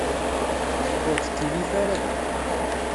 Ur ttkeyyif ara da.